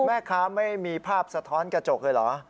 ไม่มีภาพสะท้อนกระจกเลยเหรอ